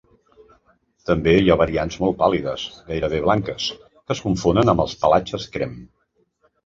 També hi ha variants molt pàl·lides, gairebé blanques, que es confonen amb els pelatges crem.